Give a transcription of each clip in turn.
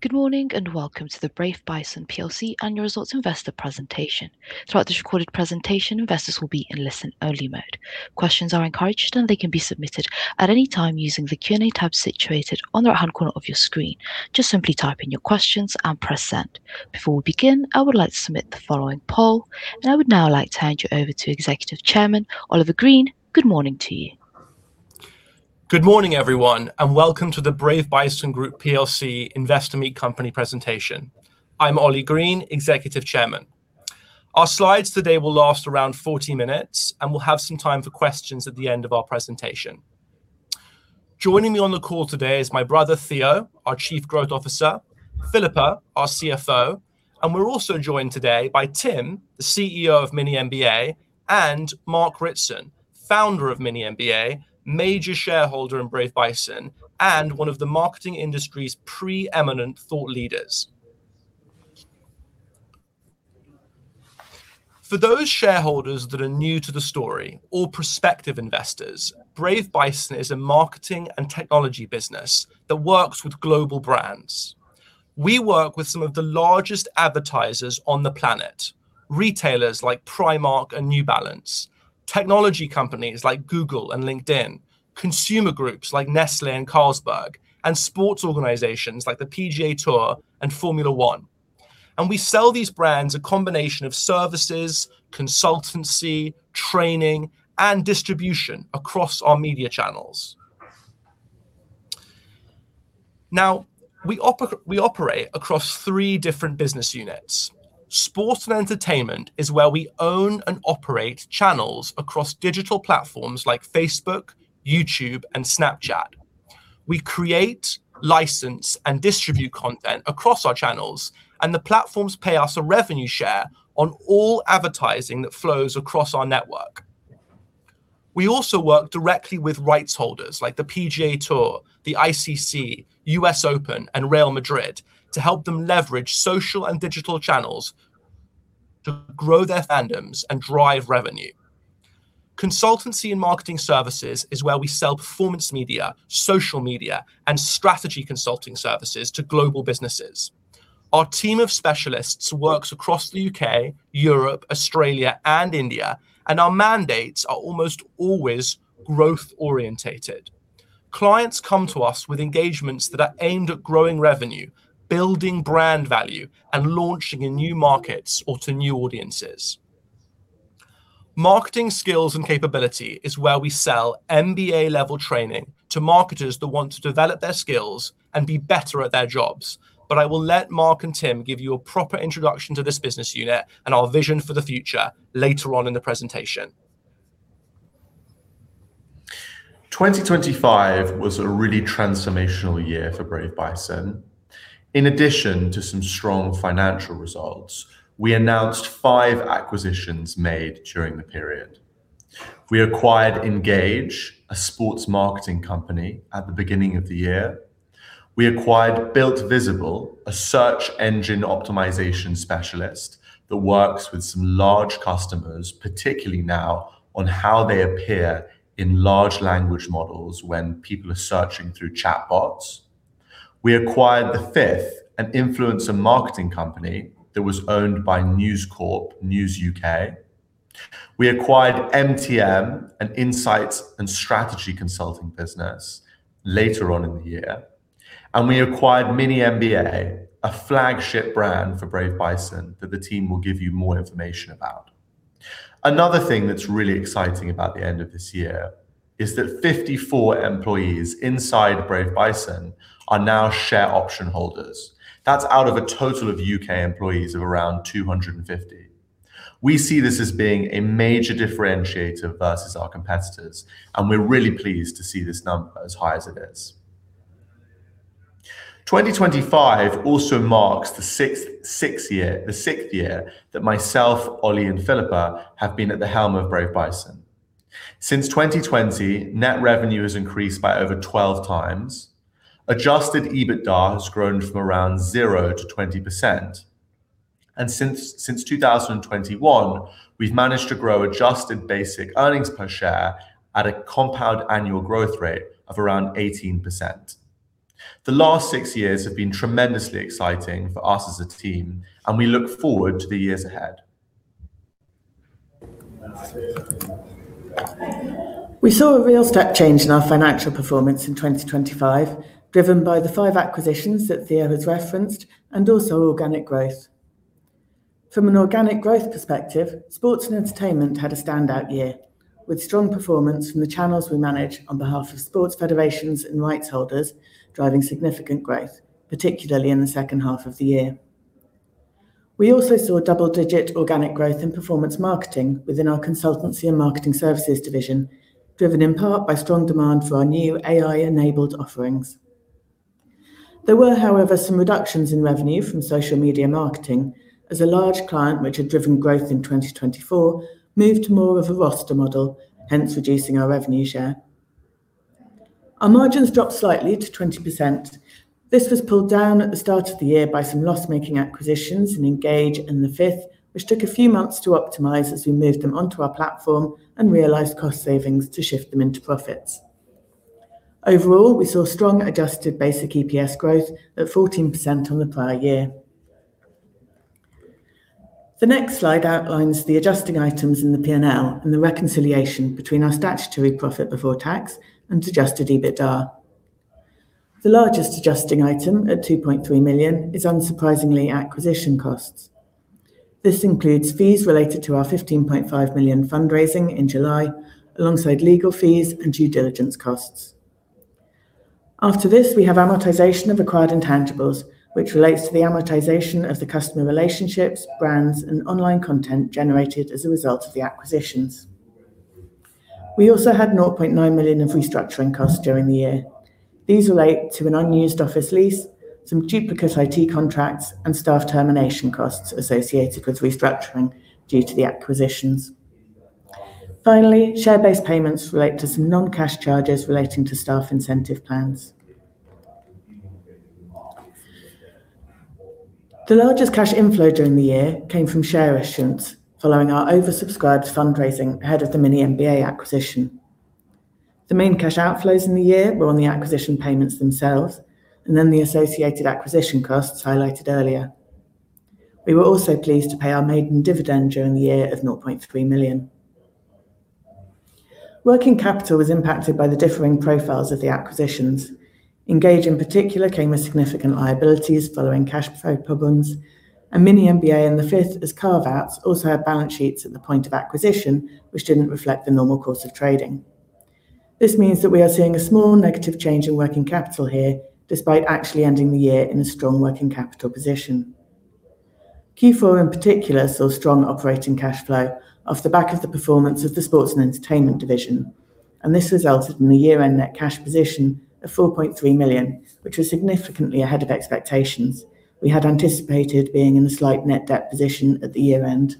Good morning and welcome to the Brave Bison Group PLC annual results investor presentation. Throughout this recorded presentation, investors will be in listen-only mode. Questions are encouraged, and they can be submitted at any time using the Q&A tab situated on the right-hand corner of your screen. Just simply type in your questions and press send. Before we begin, I would like to submit the following poll. I would now like to hand you over to Executive Chairman Oli Green. Good morning to you. Good morning, everyone. Welcome to the Brave Bison Group PLC investor meet company presentation. I'm Oli Green, Executive Chairman. Our slides today will last around 40 minutes, and we'll have some time for questions at the end of our presentation. Joining me on the call today is my brother, Theo, our Chief Growth Officer, Philippa, our CFO, and we're also joined today by Tim, the CEO of MiniMBA, and Mark Ritson, Founder of MiniMBA, major shareholder in Brave Bison, and one of the marketing industry's preeminent thought leaders. For those shareholders that are new to the story or prospective investors, Brave Bison is a marketing and technology business that works with global brands. We work with some of the largest advertisers on the planet, retailers like Primark and New Balance, technology companies like Google and LinkedIn, consumer groups like Nestlé and Carlsberg, and sports organizations like the PGA Tour and Formula 1. We sell these brands a combination of services, consultancy, training, and distribution across our media channels. Now, we operate across three different business units. Sport & Entertainment is where we own and operate channels across digital platforms like Facebook, YouTube, and Snapchat. We create, license, and distribute content across our channels, and the platforms pay us a revenue share on all advertising that flows across our network. We also work directly with rights holders like the PGA Tour, the ICC, US Open, and Real Madrid to help them leverage social and digital channels to grow their fandoms and drive revenue. Consultancy & Marketing Services is where we sell performance media, social media, and strategy consulting services to global businesses. Our team of specialists works across the U.K., Europe, Australia, and India, and our mandates are almost always growth-orientated. Clients come to us with engagements that are aimed at growing revenue, building brand value, and launching in new markets or to new audiences. Marketing Skills & Capabilities is where we sell MBA-level training to marketers that want to develop their skills and be better at their jobs. I will let Mark and Tim give you a proper introduction to this business unit and our vision for the future later on in the presentation. 2025 was a really transformational year for Brave Bison. In addition to some strong financial results, we announced five acquisitions made during the period. We acquired Engage, a sports marketing company, at the beginning of the year. We acquired Builtvisible, a search engine optimization specialist that works with some large customers, particularly now on how they appear in large language models when people are searching through chatbots. We acquired The Fifth, an influencer marketing company that was owned by News Corp, News UK. We acquired MTM, an insights and strategy consulting business, later on in the year. We acquired MiniMBA, a flagship brand for Brave Bison that the team will give you more information about. Another thing that's really exciting about the end of this year is that 54 employees inside Brave Bison are now share option holders. That's out of a total of U.K. employees of around 250. We see this as being a major differentiator versus our competitors, and we're really pleased to see this number as high as it is. 2025 also marks the sixth year that myself, Oli, and Philippa have been at the helm of Brave Bison. Since 2020, net revenue has increased by over 12x. Adjusted EBITDA has grown from around 0%-20%. Since 2021, we've managed to grow adjusted basic earnings per share at a compound annual growth rate of around 18%. The last six years have been tremendously exciting for us as a team, and we look forward to the years ahead. We saw a real step change in our financial performance in 2025, driven by the five acquisitions that Theo has referenced, and also organic growth. From an organic growth perspective, Sport & Entertainment had a standout year, with strong performance from the channels we manage on behalf of sports federations and rights holders driving significant growth, particularly in the second half of the year. We also saw double-digit organic growth in performance marketing within our Consultancy & Marketing Services division, driven in part by strong demand for our new AI-enabled offerings. There were, however, some reductions in revenue from social media marketing as a large client which had driven growth in 2024 moved more of a roster model, hence reducing our revenue share. Our margins dropped slightly to 20%. This was pulled down at the start of the year by some loss-making acquisitions in Engage and The Fifth, which took a few months to optimize as we moved them onto our platform and realized cost savings to shift them into profits. Overall, we saw strong adjusted basic EPS growth at 14% on the prior year. The next slide outlines the adjusting items in the P&L and the reconciliation between our statutory profit before tax and adjusted EBITDA. The largest adjusting item at 2.3 million is unsurprisingly acquisition costs. This includes fees related to our 15.5 million fundraising in July alongside legal fees and due diligence costs. After this, we have amortization of acquired intangibles, which relates to the amortization of the customer relationships, brands, and online content generated as a result of the acquisitions. We also had 0.9 million of restructuring costs during the year. These relate to an unused office lease, some duplicate IT contracts, and staff termination costs associated with restructuring due to the acquisitions. Share-based payments relate to some non-cash charges relating to staff incentive plans. The largest cash inflow during the year came from share issuance following our oversubscribed fundraising ahead of the MiniMBA acquisition. The main cash outflows in the year were on the acquisition payments themselves and then the associated acquisition costs highlighted earlier. We were also pleased to pay our maiden dividend during the year of 0.3 million. Working capital was impacted by the differing profiles of the acquisitions. Engage in particular came with significant liabilities following cash flow problems. MiniMBA and The Fifth as carve-outs also had balance sheets at the point of acquisition, which didn't reflect the normal course of trading. This means that we are seeing a small negative change in working capital here, despite actually ending the year in a strong working capital position. Q4 in particular saw strong operating cash flow off the back of the performance of the Sport & Entertainment division. This resulted in a year-end net cash position of 4.3 million, which was significantly ahead of expectations. We had anticipated being in a slight net debt position at the year-end.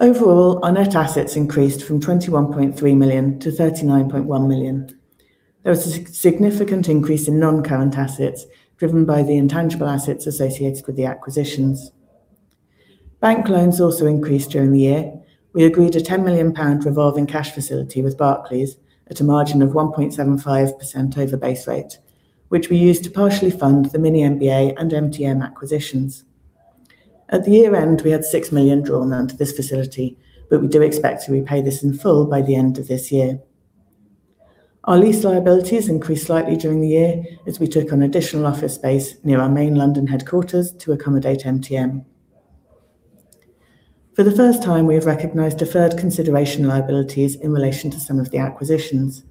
Overall, our net assets increased from 21.3 million-39.1 million. There was a significant increase in non-current assets driven by the intangible assets associated with the acquisitions. Bank loans also increased during the year. We agreed a 10 million pound revolving cash facility with Barclays at a margin of 1.75% over base rate, which we used to partially fund the MiniMBA and MTM acquisitions. At the year-end, we had 6 million drawn down to this facility, but we do expect to repay this in full by the end of this year. Our lease liabilities increased slightly during the year as we took on additional office space near our main London headquarters to accommodate MTM. For the first time, we have recognized deferred consideration liabilities in relation to some of the acquisitions.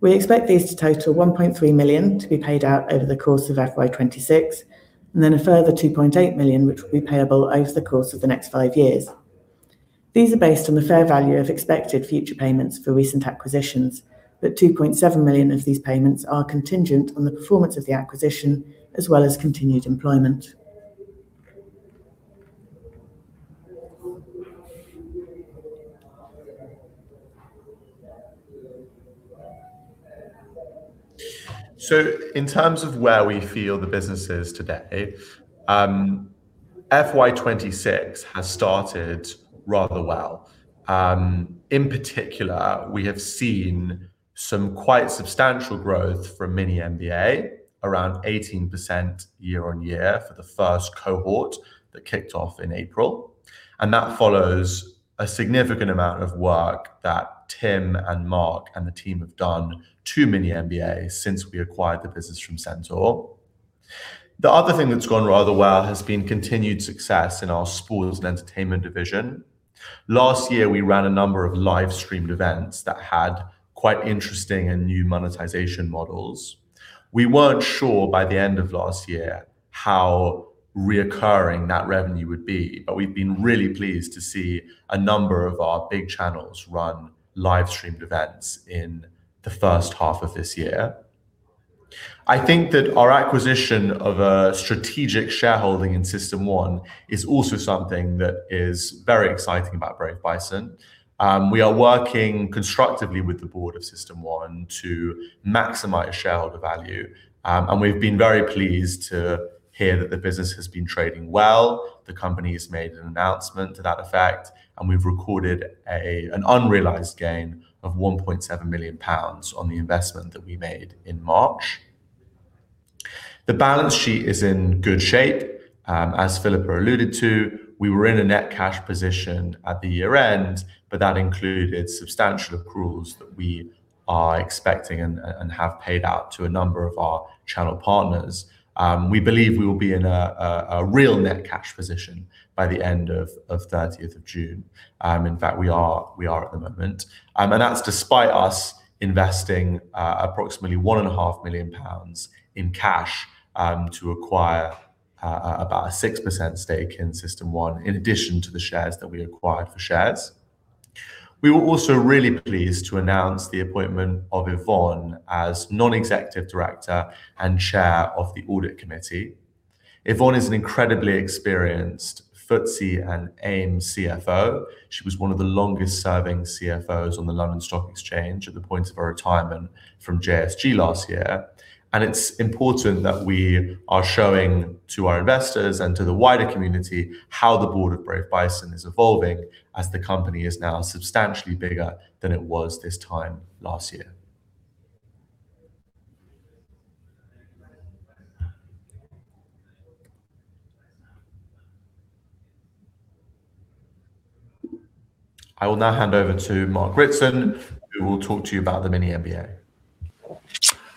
We expect these to total 1.3 million to be paid out over the course of FY 2026, and then a further 2.8 million which will be payable over the course of the next five years. These are based on the fair value of expected future payments for recent acquisitions, but 2.7 million of these payments are contingent on the performance of the acquisition as well as continued employment. In terms of where we feel the business is today, FY 2026 has started rather well. In particular, we have seen some quite substantial growth from MiniMBA, around 18% year-on-year for the first cohort that kicked off in April. That follows a significant amount of work that Tim and Mark and the team have done to MiniMBA since we acquired the business from Centaur. The other thing that's gone rather well has been continued success in our Sport & Entertainment division. Last year, we ran a number of live-streamed events that had quite interesting and new monetization models. We weren't sure by the end of last year how reoccurring that revenue would be, but we've been really pleased to see a number of our big channels run live-streamed events in the first half of this year. I think that our acquisition of a strategic shareholding in System1 is also something that is very exciting about Brave Bison. We are working constructively with the board of System1 to maximize shareholder value, and we've been very pleased to hear that the business has been trading well. The company has made an announcement to that effect, and we've recorded an unrealized gain of 1.7 million pounds on the investment that we made in March. The balance sheet is in good shape. As Philippa alluded to, we were in a net cash position at the year-end, but that included substantial accruals that we are expecting and have paid out to a number of our channel partners. We believe we will be in a real net cash position by the end of June 30th. In fact, we are at the moment. That's despite us investing approximately 1.5 million pounds in cash to acquire about a 6% stake in System1, in addition to the shares that we acquired for shares. We were also really pleased to announce the appointment of Yvonne as Non-Executive Director and Chair of the Audit Committee. Yvonne is an incredibly experienced FTSE and AIM CFO. She was one of the longest-serving CFOs on the London Stock Exchange at the point of her retirement from JSG last year. It's important that we are showing to our investors and to the wider community how the Board of Brave Bison is evolving as the company is now substantially bigger than it was this time last year. I will now hand over to Mark Ritson, who will talk to you about the MiniMBA.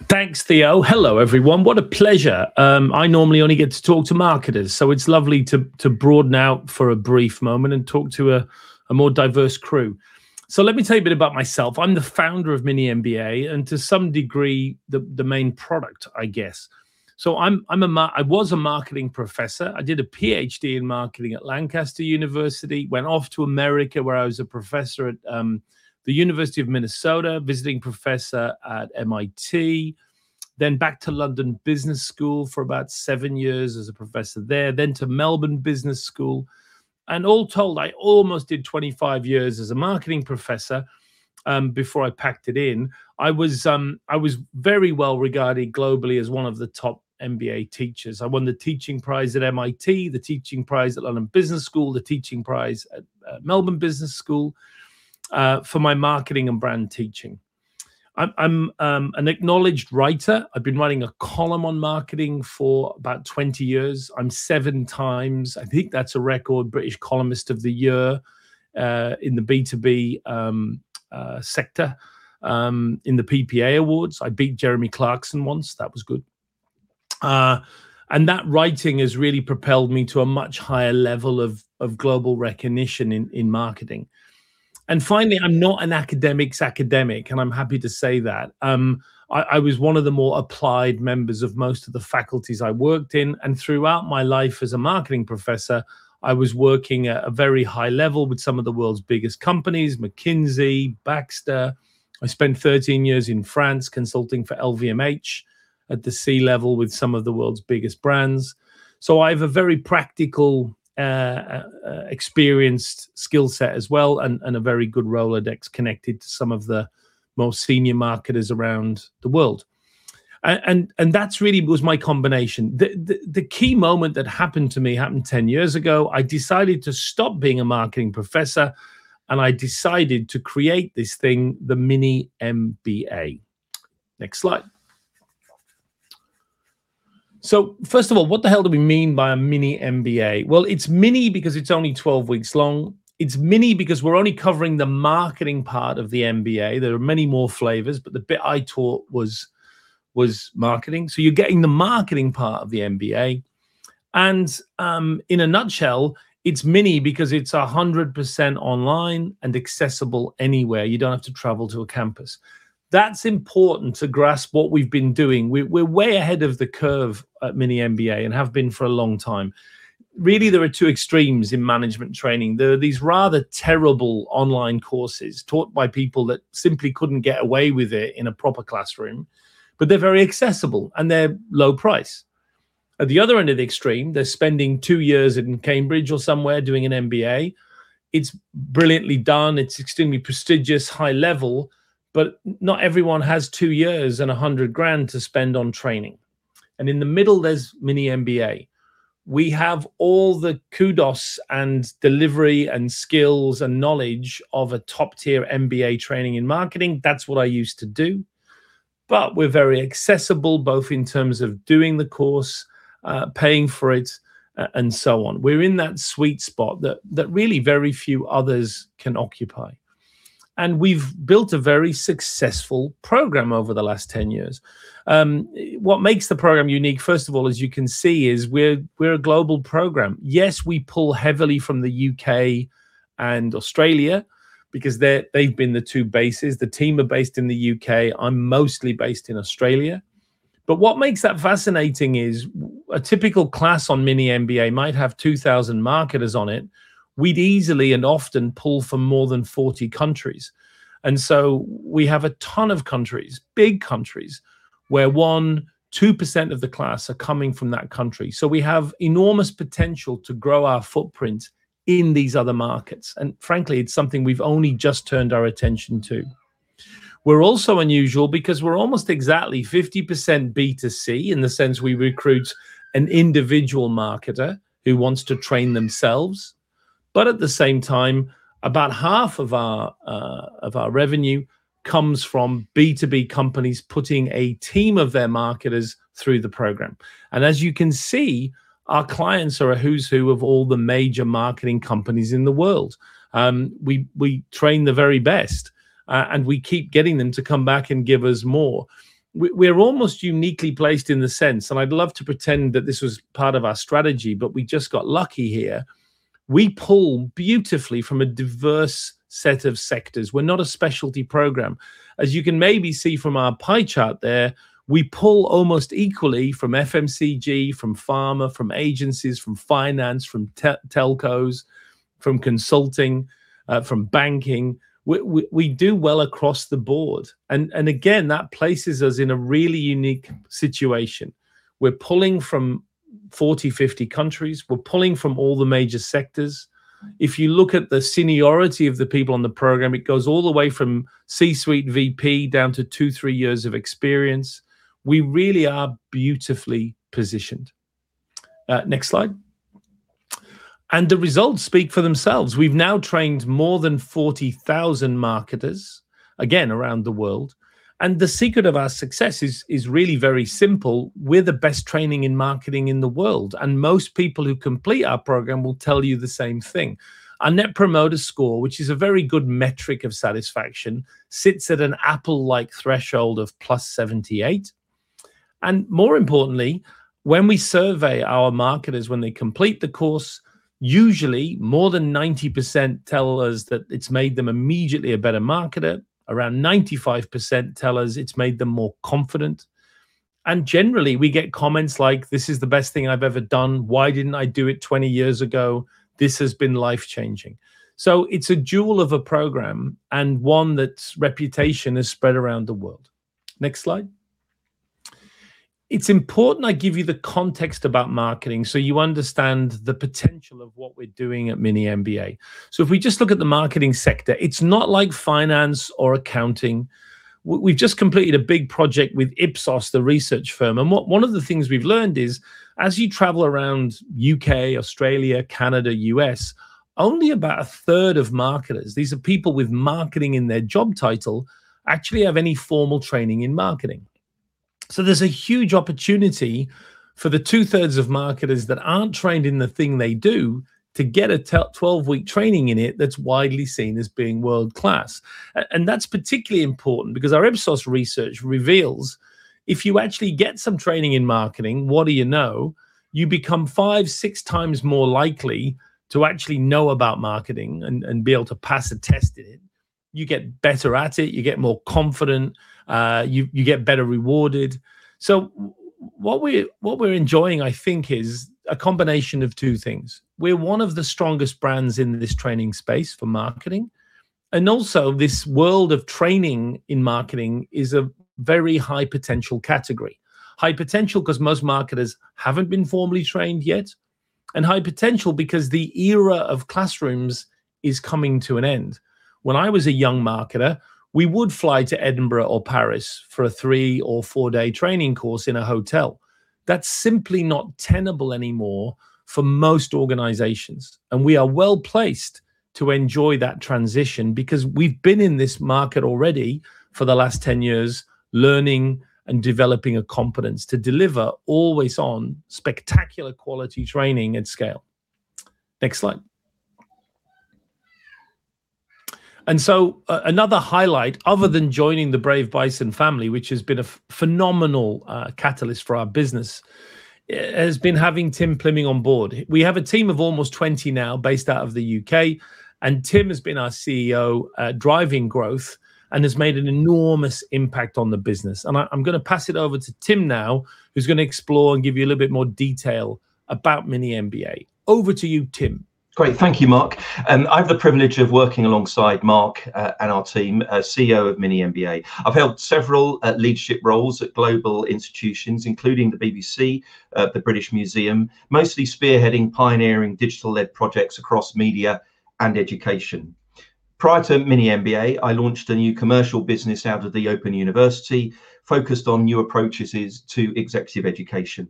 Thanks, Theo. Hello everyone, what a pleasure. I normally only get to talk to marketers, so it's lovely to broaden out for a brief moment and talk to a more diverse crew. Let me tell you a bit about myself. I'm the founder of MiniMBA, and to some degree, the main product, I guess. I was a Marketing Professor. I did a PhD in Marketing at Lancaster University, went off to America where I was a Professor at the University of Minnesota, visiting professor at MIT, then back to London Business School for about seven years as a professor there. To Melbourne Business School, and all told, I almost did 25 years as a Marketing Professor before I packed it in. I was very well regarded globally as one of the top MBA teachers. I won the teaching prize at MIT, the teaching prize at London Business School, the teaching prize at Melbourne Business School, for my marketing and brand teaching. I'm an acknowledged writer. I've been writing a column on marketing for about 20 years. I'm seven times, I think that's a record, British Columnist of the Year, in the B2B sector, in the PPA awards. I beat Jeremy Clarkson once. That was good. That writing has really propelled me to a much higher level of global recognition in marketing. Finally, I'm not an academic's academic, and I'm happy to say that. I was one of the more applied members of most of the faculties I worked in, and throughout my life as a Marketing Professor, I was working at a very high level with some of the world's biggest companies, McKinsey, Baxter. I spent 13 years in France consulting for LVMH at the C level with some of the world's biggest brands. I've a very practical, experienced skill set as well, and a very good Rolodex connected to some of the most senior marketers around the world. That's really was my combination. The key moment that happened to me happened 10 years ago. I decided to stop being a Marketing Professor, and I decided to create this thing, the MiniMBA. Next slide. First of all, what the hell do we mean by a MiniMBA? Well, it's mini because it's only 12 weeks long. It's mini because we're only covering the marketing part of the MBA. There are many more flavors, the bit I taught was marketing. You're getting the marketing part of the MBA, and in a nutshell, it's mini because it's 100% online and accessible anywhere. You don't have to travel to a campus. That's important to grasp what we've been doing. We're way ahead of the curve at MiniMBA and have been for a long time. Really, there are two extremes in management training. There are these rather terrible online courses taught by people that simply couldn't get away with it in a proper classroom, but they're very accessible, and they're low price. At the other end of the extreme, they're spending two years in Cambridge or somewhere doing an MBA. It's brilliantly done. It's extremely prestigious, high level, but not everyone has two years and 100 grand to spend on training. In the middle, there's MiniMBA. We have all the kudos and delivery and skills and knowledge of a top-tier MBA training in marketing. That's what I used to do. We're very accessible, both in terms of doing the course, paying for it, and so on. We're in that sweet spot that really very few others can occupy, and we've built a very successful program over the last 10 years. What makes the program unique, first of all, as you can see, is we're a global program. Yes, we pull heavily from the U.K. and Australia because they've been the two bases. The team are based in the U.K. I'm mostly based in Australia. What makes that fascinating is a typical class on MiniMBA might have 2,000 marketers on it. We'd easily and often pull from more than 40 countries. We have a ton of countries, big countries, where 1%, 2% of the class are coming from that country. We have enormous potential to grow our footprint in these other markets, and frankly, it's something we've only just turned our attention to. We're also unusual because we're almost exactly 50% B2C in the sense we recruit an individual marketer who wants to train themselves, but at the same time, about half of our of our revenue comes from B2B companies putting a team of their marketers through the program. As you can see, our clients are a who's who of all the major marketing companies in the world. We train the very best, and we keep getting them to come back and give us more. We're almost uniquely placed in the sense, and I'd love to pretend that this was part of our strategy, but we just got lucky here. We pull beautifully from a diverse set of sectors. We're not a specialty program. As you can maybe see from our pie chart there, we pull almost equally from FMCG, from pharma, from agencies, from finance, from telcos, from consulting, from banking. We do well across the board, and again, that places us in a really unique situation. We're pulling from 40, 50 countries. We're pulling from all the major sectors. If you look at the seniority of the people on the program, it goes all the way from C-suite VP down to two, three years of experience. We really are beautifully positioned. next slide. The results speak for themselves. We've now trained more than 40,000 marketers, again, around the world. The secret of our success is really very simple. We're the best training in marketing in the world, and most people who complete our program will tell you the same thing. Our Net Promoter Score, which is a very good metric of satisfaction, sits at an Apple-like threshold of +78. More importantly, when we survey our marketers when they complete the course, usually more than 90% tell us that it's made them immediately a better marketer. Around 95% tell us it's made them more confident. Generally, we get comments like, "This is the best thing I've ever done. Why didn't I do it 20 years ago? This has been life-changing." It's a jewel of a program and one that's reputation has spread around the world. Next slide. It's important I give you the context about marketing so you understand the potential of what we're doing at MiniMBA. If we just look at the marketing sector, it's not like finance or accounting. We've just completed a big project with Ipsos, the research firm. One of the things we've learned is as you travel around U.K., Australia, Canada, U.S., only about 1/3 of marketers, these are people with marketing in their job title, actually have any formal training in marketing. There's a huge opportunity for the 2/3 of marketers that aren't trained in the thing they do to get a 12-week training in it that's widely seen as being world-class. That's particularly important because our Ipsos research reveals if you actually get some training in marketing, what do you know? You become five, six times more likely to actually know about marketing and be able to pass a test in it. You get better at it. You get more confident. You get better rewarded. What we're enjoying, I think, is a combination of two things. We're one of the strongest brands in this training space for marketing, and also this world of training in marketing is a very high-potential category. High potential 'cause most marketers haven't been formally trained yet, and high potential because the era of classrooms is coming to an end. When I was a young marketer, we would fly to Edinburgh or Paris for a three or four day training course in a hotel. That's simply not tenable anymore for most organizations, and we are well-placed to enjoy that transition because we've been in this market already for the last 10 years, learning and developing a competence to deliver always on spectacular quality training at scale. Next slide. Another highlight other than joining the Brave Bison family, which has been a phenomenal catalyst for our business, has been having Tim Plyming on board. We have a team of almost 20 now based out of the U.K., and Tim has been our CEO driving growth and has made an enormous impact on the business. I'm gonna pass it over to Tim now, who's gonna explore and give you a little bit more detail about MiniMBA. Over to you, Tim. Great. Thank you, Mark. I have the privilege of working alongside Mark and our team as CEO of MiniMBA. I've held several leadership roles at global institutions, including the BBC, the British Museum, mostly spearheading pioneering digital-led projects across media and education. Prior to MiniMBA, I launched a new commercial business out of the Open University focused on new approaches to executive education.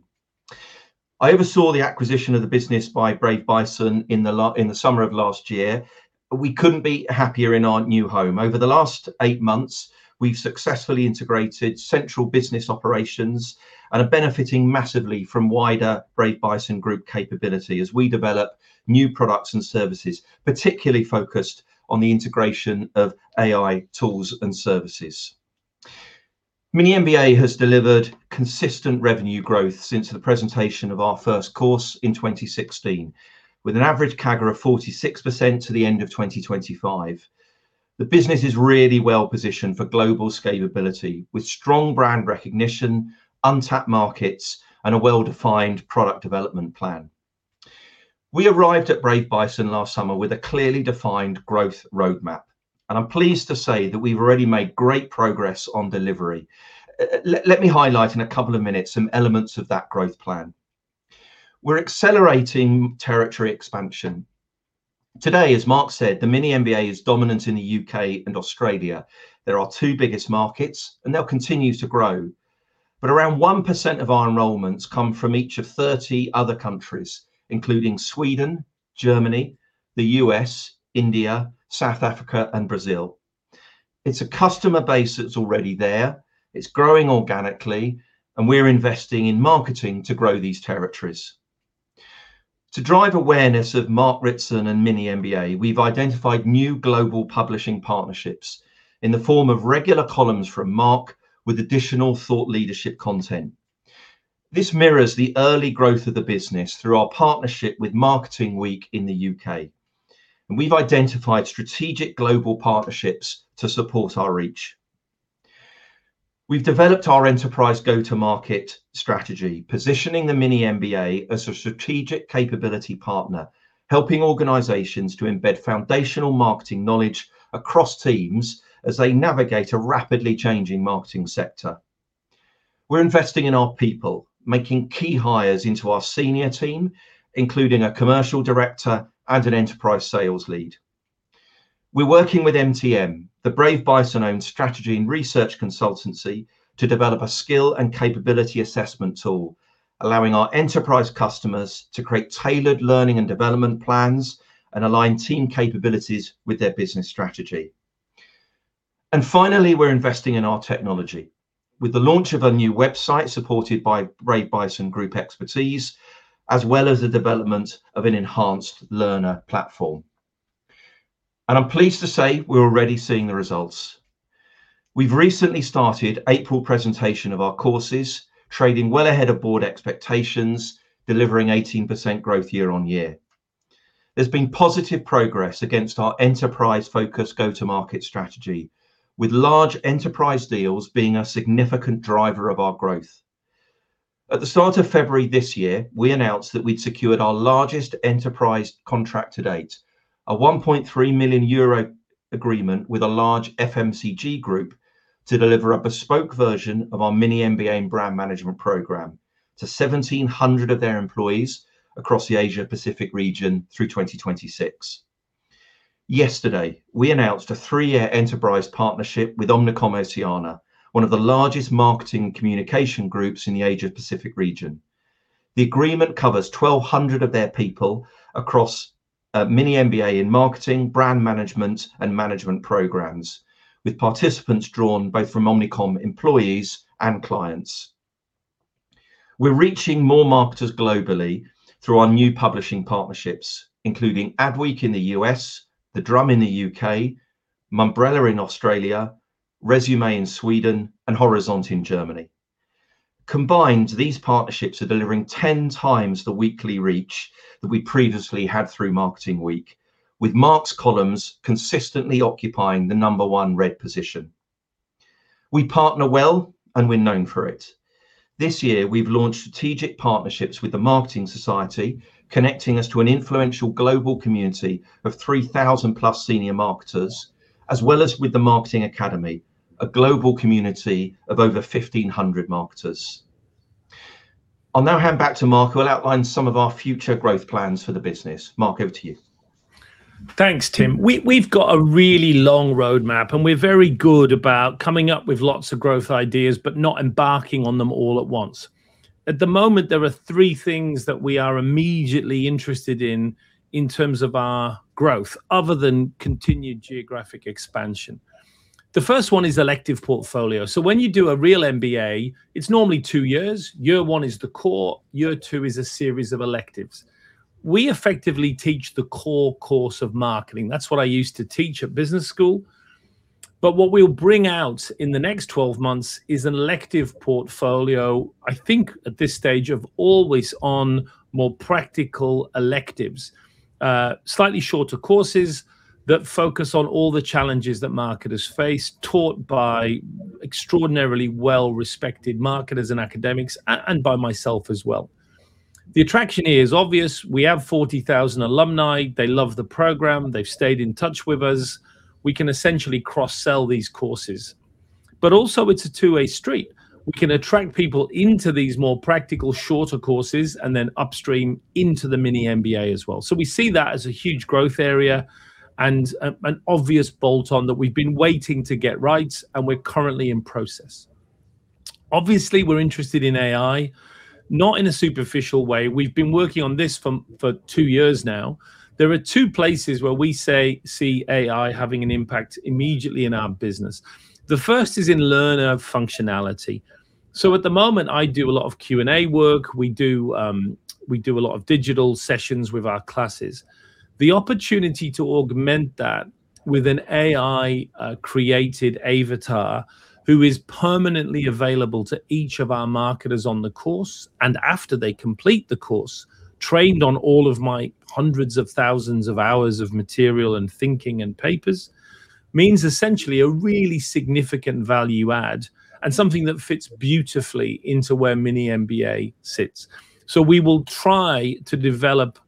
I oversaw the acquisition of the business by Brave Bison in the summer of last year. We couldn't be happier in our new home. Over the last eight months, we've successfully integrated central business operations and are benefiting massively from wider Brave Bison Group capability as we develop new products and services, particularly focused on the integration of AI tools and services. MiniMBA has delivered consistent revenue growth since the presentation of our first course in 2016, with an average CAGR of 46% to the end of 2025. The business is really well positioned for global scalability with strong brand recognition, untapped markets, and a well-defined product development plan. We arrived at Brave Bison last summer with a clearly defined growth roadmap. I'm pleased to say that we've already made great progress on delivery. Let me highlight in a couple of minutes some elements of that growth plan. We're accelerating territory expansion. Today, as Mark said, the MiniMBA is dominant in the U.K. and Australia. They're our two biggest markets. They'll continue to grow. Around 1% of our enrollments come from each of 30 other countries, including Sweden, Germany, the U.S., India, South Africa, and Brazil. It's a customer base that's already there, it's growing organically, and we're investing in marketing to grow these territories. To drive awareness of Mark Ritson and MiniMBA, we've identified new global publishing partnerships in the form of regular columns from Mark with additional thought leadership content. This mirrors the early growth of the business through our partnership with Marketing Week in the U.K. We've identified strategic global partnerships to support our reach. We've developed our enterprise go-to-market strategy, positioning the MiniMBA as a strategic capability partner, helping organizations to embed foundational marketing knowledge across teams as they navigate a rapidly changing marketing sector. We're investing in our people, making key hires into our senior team, including a Commercial Director and an Enterprise Sales Lead. We're working with MTM, the Brave Bison-owned strategy and research consultancy, to develop a skill and capability assessment tool, allowing our enterprise customers to create tailored learning and development plans and align team capabilities with their business strategy. Finally, we're investing in our technology with the launch of a new website supported by Brave Bison Group expertise, as well as the development of an enhanced learner platform. I'm pleased to say we're already seeing the results. We've recently started April presentation of our courses, trading well ahead of board expectations, delivering 18% growth year-on-year. There's been positive progress against our enterprise focus go-to-market strategy, with large enterprise deals being a significant driver of our growth. At the start of February this year, we announced that we'd secured our largest enterprise contract to date, a 1.3 million euro agreement with a large FMCG group to deliver a bespoke version of our MiniMBA in Brand Management program to 1,700 of their employees across the Asia-Pacific region through 2026. Yesterday, we announced a three-year enterprise partnership with Omnicom Oceania, one of the largest marketing communication groups in the Asia-Pacific region. The agreement covers 1,200 of their people across a MiniMBA in marketing, brand management, and management programs, with participants drawn both from Omnicom employees and clients. We're reaching more marketers globally through our new publishing partnerships, including ADWEEK in the U.S., The Drum in the U.K., Mumbrella in Australia, Resumé in Sweden, and Horizont in Germany. Combined, these partnerships are delivering 10 times the weekly reach that we previously had through Marketing Week, with Mark's columns consistently occupying the number one read position. We partner well, and we're known for it. This year, we've launched strategic partnerships with The Marketing Society, connecting us to an influential global community of 3,000+ senior marketers, as well as with The Marketing Academy, a global community of over 1,500 marketers. I'll now hand back to Mark, who will outline some of our future growth plans for the business. Mark, over to you. Thanks, Tim. We've got a really long roadmap, we're very good about coming up with lots of growth ideas but not embarking on them all at once. At the moment, there are three things that we are immediately interested in in terms of our growth, other than continued geographic expansion. The first one is elective portfolio. When you do a real MBA, it's normally two years. Year one is the core, year two is a series of electives. We effectively teach the core course of marketing. That's what I used to teach at business school. What we'll bring out in the next 12 months is an elective portfolio, I think at this stage, of always on more practical electives. Slightly shorter courses that focus on all the challenges that marketers face, taught by extraordinarily well-respected marketers and academics, and by myself as well. The attraction here is obvious. We have 40,000 alumni. They love the program. They've stayed in touch with us. We can essentially cross-sell these courses. Also, it's a two-way street. We can attract people into these more practical, shorter courses then upstream into the MiniMBA as well. We see that as a huge growth area, an obvious bolt on that we've been waiting to get right and we're currently in process. Obviously, we're interested in AI, not in a superficial way. We've been working on this twofor two years now. There are 2 places where we see AI having an impact immediately in our business. The first is in learner functionality. At the moment, I do a lot of Q&A work. We do a lot of digital sessions with our classes. The opportunity to augment that with an AI created avatar who is permanently available to each of our marketers on the course and after they complete the course, trained on all of my hundreds of thousands of hours of material and thinking and papers, means essentially a really significant value add and something that fits beautifully into where MiniMBA sits. We will try to develop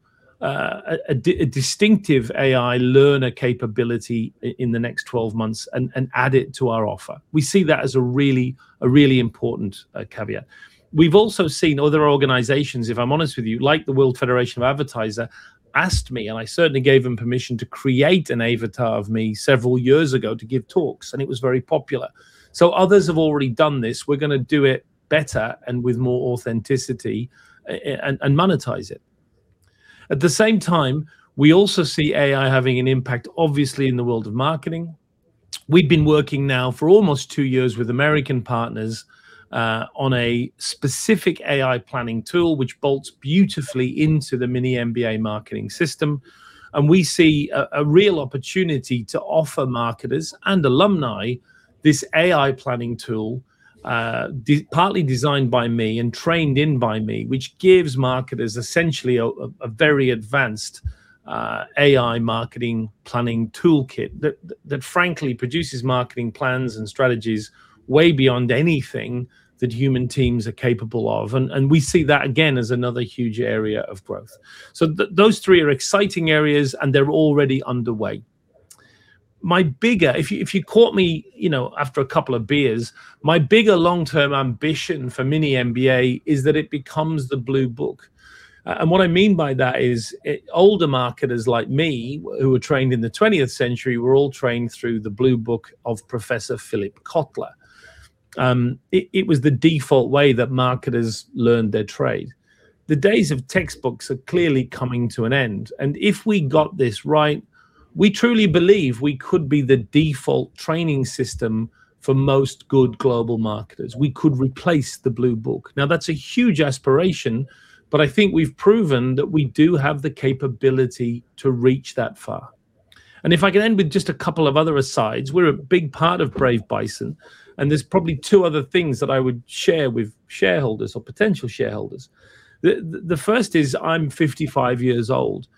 a distinctive AI learner capability in the next 12 months and add it to our offer. We see that as a really important caveat. We've also seen other organizations, if I'm honest with you, like the World Federation of Advertisers, asked me, and I certainly gave them permission, to create an avatar of me several years ago to give talks, and it was very popular. We're gonna do it better and with more authenticity and monetize it. At the same time, we also see AI having an impact, obviously, in the world of marketing. We've been working now for almost two years with American Partners on a specific AI planning tool which bolts beautifully into the MiniMBA marketing system, and we see a real opportunity to offer marketers and alumni this AI planning tool partly designed by me and trained in by me, which gives marketers essentially a very advanced AI marketing planning toolkit that frankly produces marketing plans and strategies way beyond anything that human teams are capable of. We see that again as another huge area of growth. Those three are exciting areas, and they're already underway. My bigger, if you, if you caught me, you know, after a couple of beers, my bigger long-term ambition for MiniMBA is that it becomes the blue book. What I mean by that is, older marketers like me, who were trained in the 20th century, were all trained through the blue book of Professor Philip Kotler. It was the default way that marketers learned their trade. The days of textbooks are clearly coming to an end, and if we got this right, we truly believe we could be the default training system for most good global marketers. We could replace the blue book. That's a huge aspiration, but I think we've proven that we do have the capability to reach that far. If I can end with just a couple of other asides, we're a big part of Brave Bison, and there's probably two other things that I would share with shareholders or potential shareholders. The first is I'm 55 years old.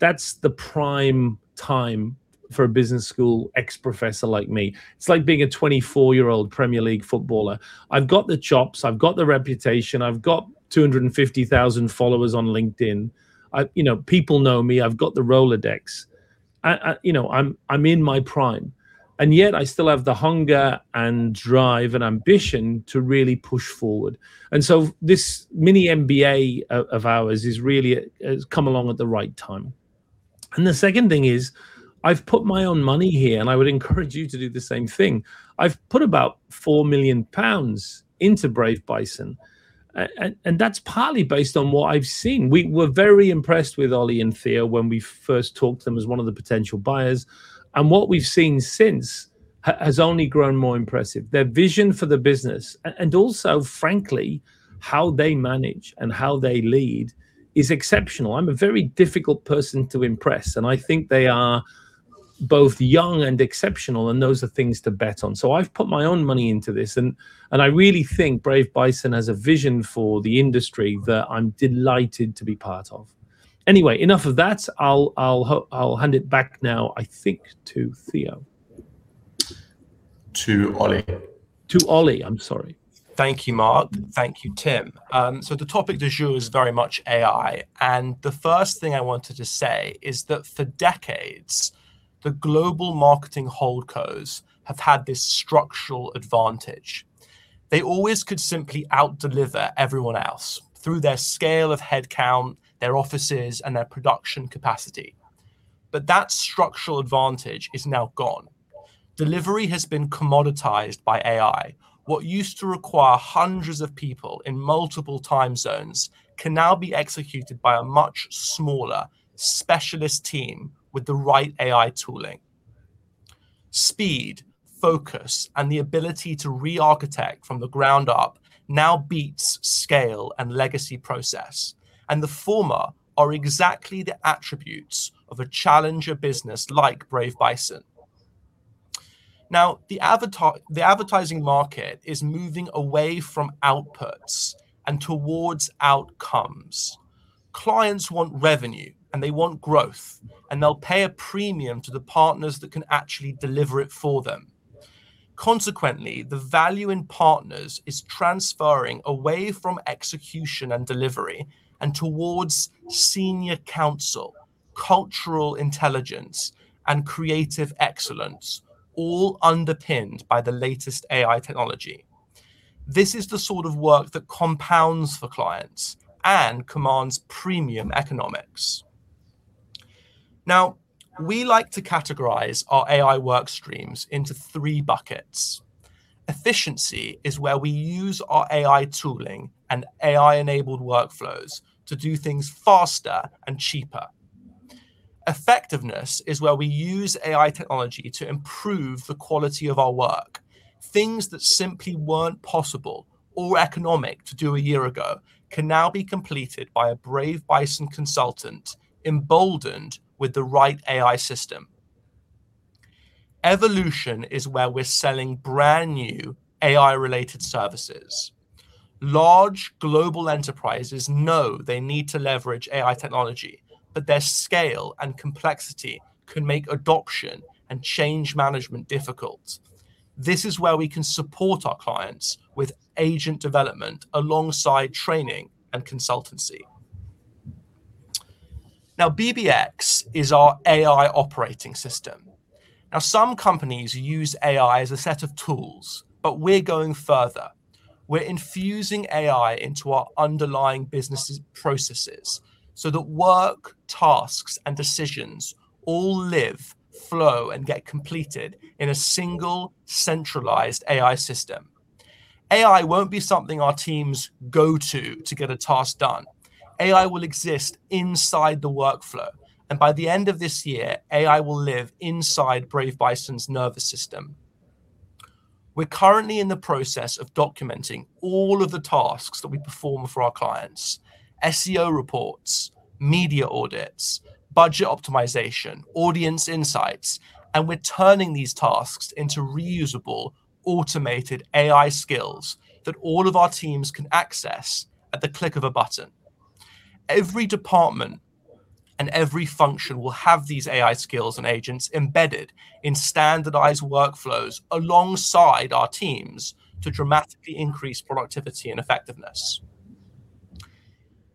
That's the prime time for a business school ex-professor like me. It's like being a 24-year-old Premier League footballer. I've got the chops, I've got the reputation, I've got 250,000 followers on LinkedIn. I, you know, people know me, I've got the Rolodex. I, you know, I'm in my prime, and yet I still have the hunger and drive and ambition to really push forward. This MiniMBA of ours is really, has come along at the right time. The second thing is, I've put my own money here, and I would encourage you to do the same thing. I've put about 4 million pounds into Brave Bison. And that's partly based on what I've seen. We were very impressed with Oli and Theo when we first talked to them as one of the potential buyers, and what we've seen since has only grown more impressive. Their vision for the business and also, frankly, how they manage and how they lead is exceptional. I'm a very difficult person to impress, and I think they are both young and exceptional, and those are things to bet on. I've put my own money into this, and I really think Brave Bison has a vision for the industry that I'm delighted to be part of. Anyway, enough of that. I'll hand it back now, I think, to Theo. To Oli. To Oli. I'm sorry. Thank you, Mark. Thank you, Tim. The topic du jour is very much AI, the first thing I wanted to say is that for decades, the global marketing holdcos have had this structural advantage. They always could simply out-deliver everyone else through their scale of headcount, their offices, and their production capacity. That structural advantage is now gone. Delivery has been commoditized by AI. What used to require hundreds of people in multiple time zones can now be executed by a much smaller specialist team with the right AI tooling. Speed, focus, and the ability to re-architect from the ground up now beats scale and legacy process, the former are exactly the attributes of a challenger business like Brave Bison. The advertising market is moving away from outputs and towards outcomes. Clients want revenue, and they want growth, and they'll pay a premium to the partners that can actually deliver it for them. Consequently, the value in partners is transferring away from execution and delivery and towards senior counsel, cultural intelligence, and creative excellence, all underpinned by the latest AI technology. This is the sort of work that compounds for clients and commands premium economics. We like to categorize our AI work streams into three buckets. Efficiency is where we use our AI tooling and AI-enabled workflows to do things faster and cheaper. Effectiveness is where we use AI technology to improve the quality of our work. Things that simply weren't possible or economic to do a year ago can now be completed by a Brave Bison consultant emboldened with the right AI system. Evolution is where we're selling brand-new AI-related services. Large global enterprises know they need to leverage AI technology, but their scale and complexity can make adoption and change management difficult. This is where we can support our clients with agent development alongside training and consultancy. BBX is our AI operating system. Some companies use AI as a set of tools, but we're going further. We're infusing AI into our underlying businesses processes so that work, tasks, and decisions all live, flow, and get completed in a single centralized AI system. AI won't be something our teams go to to get a task done. AI will exist inside the workflow, and by the end of this year, AI will live inside Brave Bison's nervous system. We're currently in the process of documenting all of the tasks that we perform for our clients. SEO reports, media audits, budget optimization, audience insights, and we're turning these tasks into reusable automated AI skills that all of our teams can access at the click of a button. Every department and every function will have these AI skills and agents embedded in standardized workflows alongside our teams to dramatically increase productivity and effectiveness.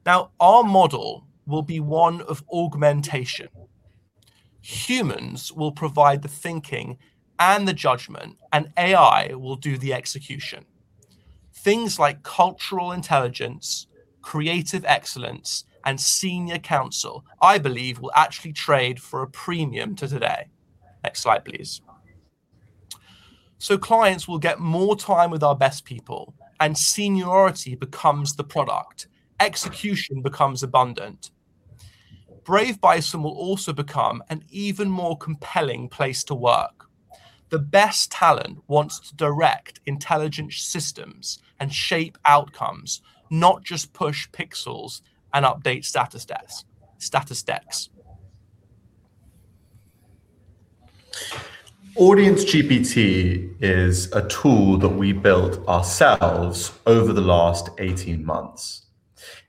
Now, our model will be one of augmentation. Humans will provide the thinking and the judgment, and AI will do the execution. Things like cultural intelligence, creative excellence, and senior counsel, I believe, will actually trade for a premium to today. Next slide, please. Clients will get more time with our best people, and seniority becomes the product. Execution becomes abundant. Brave Bison will also become an even more compelling place to work. The best talent wants to direct intelligent systems and shape outcomes, not just push pixels and update status decks. AudienceGPT is a tool that we built ourselves over the last 18 months.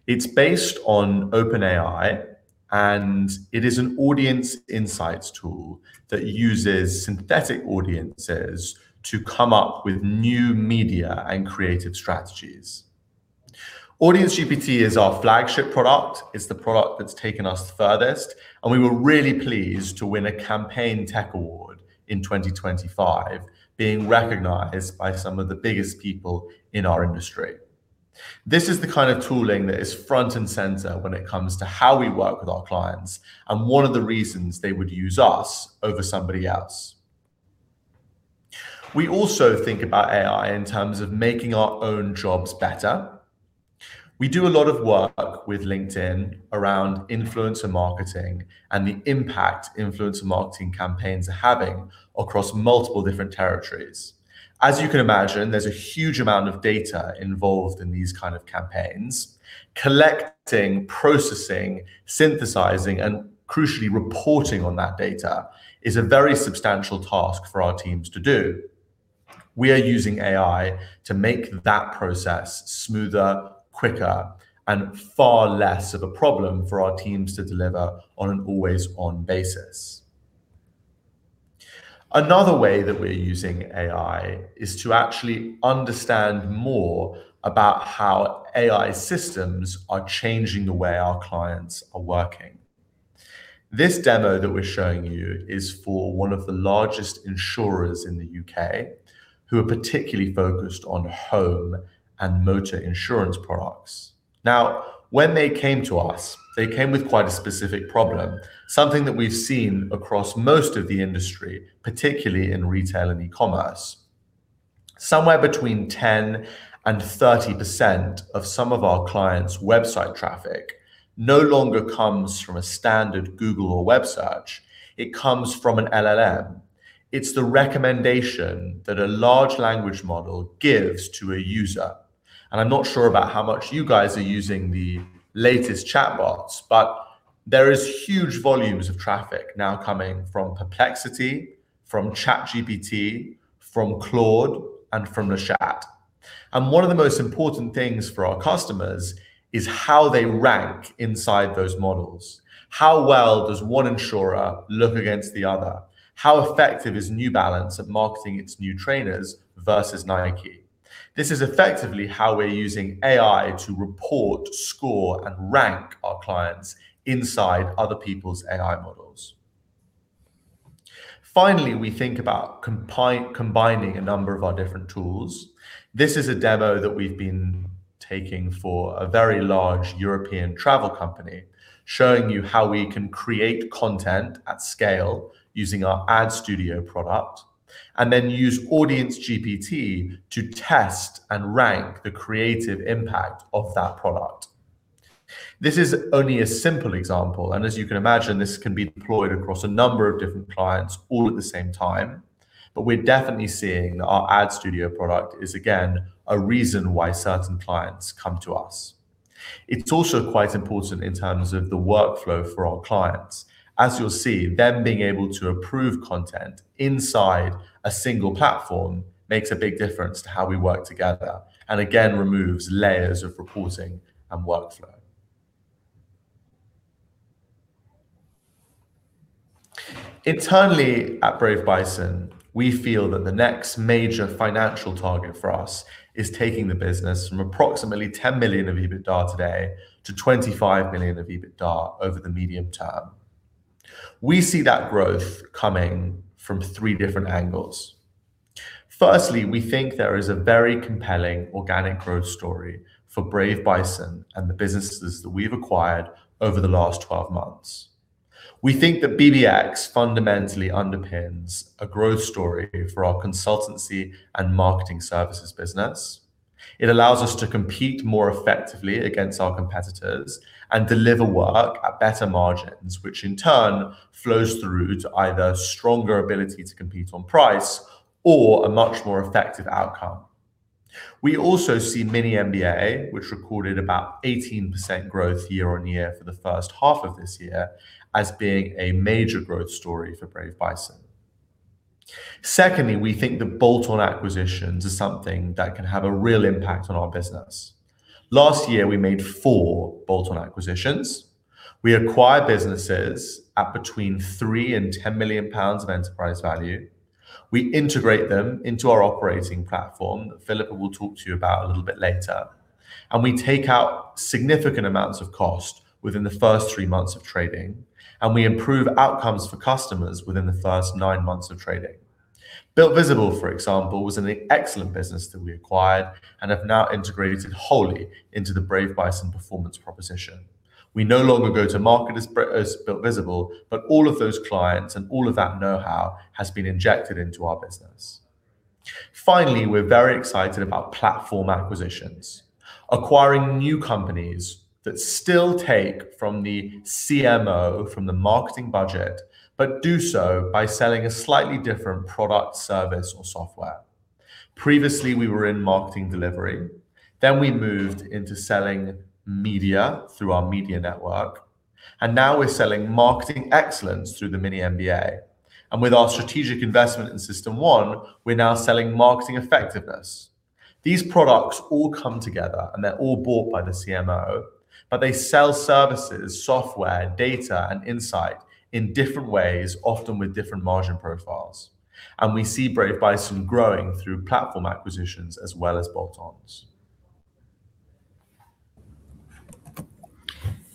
It's based on OpenAI, it is an audience insights tool that uses synthetic audiences to come up with new media and creative strategies. AudienceGPT is our flagship product. It's the product that's taken us the furthest, we were really pleased to win a CampaignTech Award in 2025, being recognized by some of the biggest people in our industry. This is the kind of tooling that is front and center when it comes to how we work with our clients and one of the reasons they would use us over somebody else. We also think about AI in terms of making our own jobs better. We do a lot of work with LinkedIn around influencer marketing and the impact influencer marketing campaigns are having across multiple different territories. As you can imagine, there's a huge amount of data involved in these kind of campaigns. Collecting, processing, synthesizing, and crucially reporting on that data is a very substantial task for our teams to do. We are using AI to make that process smoother, quicker, and far less of a problem for our teams to deliver on an always-on basis. Another way that we're using AI is to actually understand more about how AI systems are changing the way our clients are working. This demo that we're showing you is for one of the largest insurers in the U.K., who are particularly focused on home and motor insurance products. When they came to us, they came with quite a specific problem, something that we've seen across most of the industry, particularly in retail and e-commerce. Somewhere between 10% and 30% of some of our clients' website traffic no longer comes from a standard Google or web search. It comes from an LLM. It's the recommendation that a large language model gives to a user. I'm not sure about how much you guys are using the latest chatbots, but there is huge volumes of traffic now coming from Perplexity, from ChatGPT, from Claude, and from [Rashat]. One of the most important things for our customers is how they rank inside those models. How well does one insurer look against the other? How effective is New Balance at marketing its new trainers versus Nike? This is effectively how we're using AI to report, score, and rank our clients inside other people's AI models. Finally, we think about combining a number of our different tools. This is a demo that we've been taking for a very large European travel company, showing you how we can create content at scale using our AdStudio product, and then use AudienceGPT to test and rank the creative impact of that product. This is only a simple example. As you can imagine, this can be deployed across a number of different clients all at the same time. We're definitely seeing that our AdStudio product is, again, a reason why certain clients come to us. It's also quite important in terms of the workflow for our clients. As you'll see, them being able to approve content inside a single platform makes a big difference to how we work together. Again, removes layers of reporting and workflow. Internally at Brave Bison, we feel that the next major financial target for us is taking the business from approximately 10 million of EBITDA today to 25 million of EBITDA over the medium term. We see that growth coming from three different angles. Firstly, we think there is a very compelling organic growth story for Brave Bison and the businesses that we've acquired over the last 12 months. We think that BBX fundamentally underpins a growth story for our Consultancy & Marketing Services business. It allows us to compete more effectively against our competitors and deliver work at better margins, which in turn flows through to either stronger ability to compete on price or a much more effective outcome. We also see MiniMBA, which recorded about 18% growth year-on-year for the first half of this year, as being a major growth story for Brave Bison. Secondly, we think that bolt-on acquisitions are something that can have a real impact on our business. Last year, we made four bolt-on acquisitions. We acquire businesses at between 3 million and 10 million pounds of enterprise value. We integrate them into our operating platform that Philippa will talk to you about a little bit later. We take out significant amounts of cost within the first three months of trading, and we improve outcomes for customers within the first nine months of trading. Builtvisible, for example, was an excellent business that we acquired and have now integrated wholly into the Brave Bison performance proposition. We no longer go to market as Builtvisible, all of those clients and all of that know-how has been injected into our business. Finally, we're very excited about platform acquisitions, acquiring new companies that still take from the CMO, from the marketing budget, but do so by selling a slightly different product, service, or software. Previously, we were in marketing delivery. We moved into selling media through our media network. Now we're selling marketing excellence through the MiniMBA. With our strategic investment in System1, we're now selling marketing effectiveness. These products all come together, and they're all bought by the CMO, but they sell services, software, data, and insight in different ways, often with different margin profiles. We see Brave Bison growing through platform acquisitions as well as bolt-ons.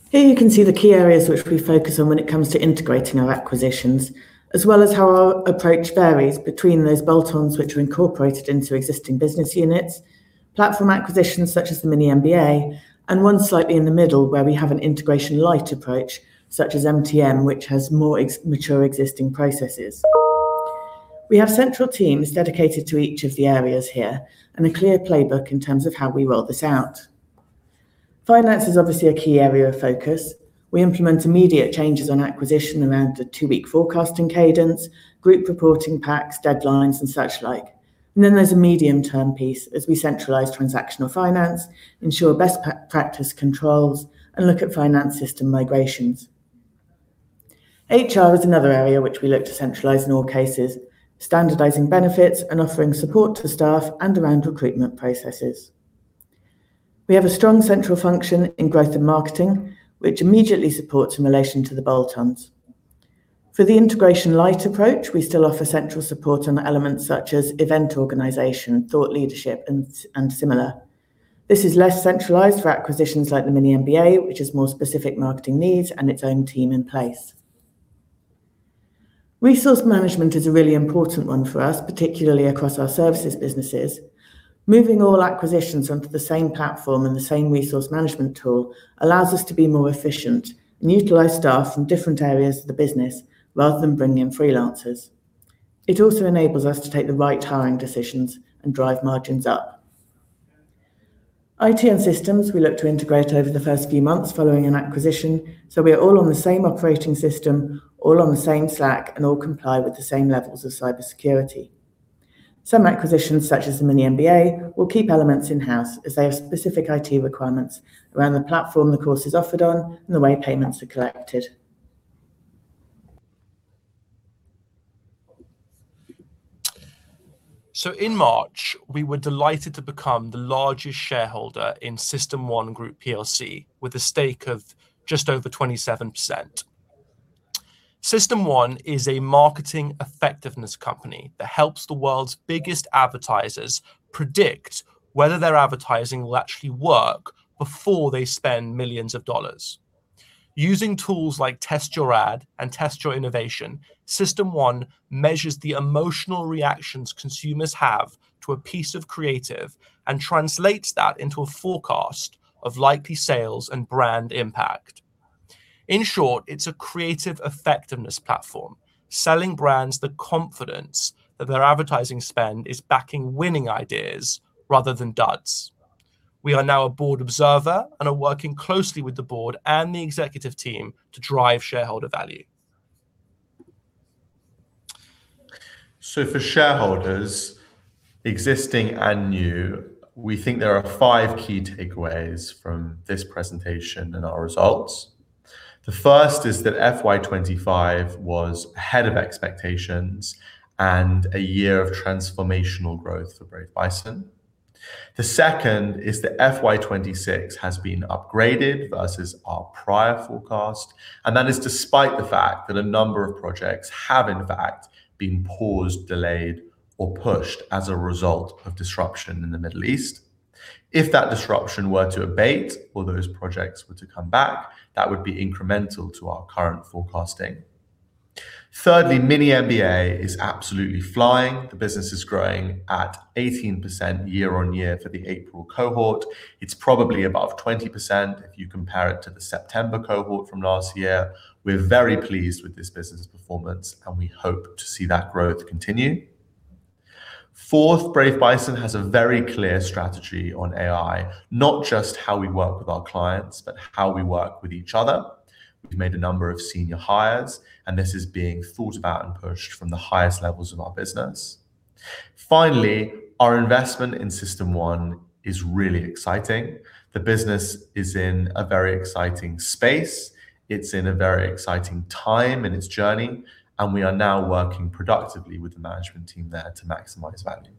Here you can see the key areas which we focus on when it comes to integrating our acquisitions, as well as how our approach varies between those bolt-ons which are incorporated into existing business units, platform acquisitions such as the MiniMBA, and one slightly in the middle where we have an integration-light approach, such as MTM, which has more mature existing processes. We have central teams dedicated to each of the areas here, and a clear playbook in terms of how we roll this out. Finance is obviously a key area of focus. We implement immediate changes on acquisition around a two-week forecasting cadence, group reporting packs, deadlines, and such like. There's a medium-term piece as we centralize transactional finance, ensure best practice controls, and look at finance system migrations. HR is another area which we look to centralize in all cases, standardizing benefits and offering support to staff and around recruitment processes. We have a strong central function in growth and marketing, which immediately supports in relation to the bolt-ons. For the integration-light approach, we still offer central support on elements such as event organization, thought leadership, and similar. This is less centralized for acquisitions like the MiniMBA, which has more specific marketing needs and its own team in place. Resource management is a really important one for us, particularly across our services businesses. Moving all acquisitions onto the same platform and the same resource management tool allows us to be more efficient and utilize staff from different areas of the business rather than bringing in freelancers. It also enables us to take the right hiring decisions and drive margins up. IT and systems we look to integrate over the first few months following an acquisition, so we are all on the same operating system, all on the same Slack, and all comply with the same levels of cybersecurity. Some acquisitions, such as the MiniMBA, will keep elements in-house as they have specific IT requirements around the platform the course is offered on and the way payments are collected. In March, we were delighted to become the largest shareholder in System1 Group PLC with a stake of just over 27%. System1 is a marketing effectiveness company that helps the world's biggest advertisers predict whether their advertising will actually work before they spend millions of dollars. Using tools like Test Your Ad and Test Your Innovation, System1 measures the emotional reactions consumers have to a piece of creative and translates that into a forecast of likely sales and brand impact. It's a creative effectiveness platform, selling brands the confidence that their advertising spend is backing winning ideas rather than duds. We are now a board observer and are working closely with the Board and the executive team to drive shareholder value. For shareholders, existing and new, we think there are five key takeaways from this presentation and our results. The first is that FY 2025 was ahead of expectations and a year of transformational growth for Brave Bison. The second is that FY 2026 has been upgraded versus our prior forecast, and that is despite the fact that a number of projects have in fact been paused, delayed, or pushed as a result of disruption in the Middle East. If that disruption were to abate or those projects were to come back, that would be incremental to our current forecasting. Thirdly, MiniMBA is absolutely flying. The business is growing at 18% year-on-year for the April cohort. It's probably above 20% if you compare it to the September cohort from last year. We're very pleased with this business performance and we hope to see that growth continue. Fourth, Brave Bison has a very clear strategy on AI, not just how we work with our clients, but how we work with each other. We've made a number of senior hires and this is being thought about and pushed from the highest levels of our business. Finally, our investment in System1 is really exciting. The business is in a very exciting space. It's in a very exciting time in its journey and we are now working productively with the management team there to maximize value.